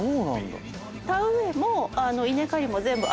田植えも稲刈りも全部。